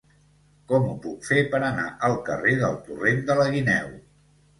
Com ho puc fer per anar al carrer del Torrent de la Guineu?